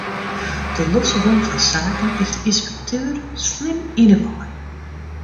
De losse gong fan saken is de ynspekteur slim yn 'e wei.